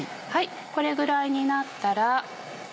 これぐらいになったら。